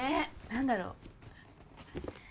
何だろう？